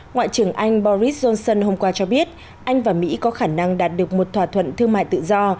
ngoại trưởng anh boris johnson hôm qua cho biết anh và mỹ có khả năng đạt được một thỏa thuận thương mại tự do